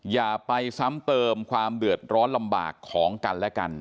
อย่าไปซ้ำเติมความเดือดร้อนลำบากของกันและกัน